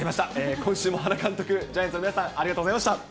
今週も原監督、ジャイアンツの皆さん、ありがとうございました。